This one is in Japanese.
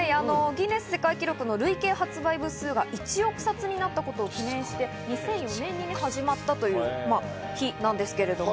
累計発売部数が１億冊になったことを記念して２００４年に始まったという日なんですけれども。